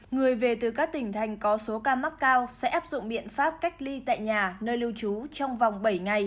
người về từ các tỉnh thành có số ca mắc cao sẽ áp dụng biện pháp cách ly tại nhà nơi lưu trú trong vòng bảy ngày